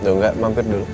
udah nggak mampir dulu